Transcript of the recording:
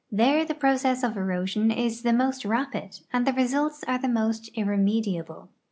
There the process of erosion is the mo.st rapid and the results are the most irremediable.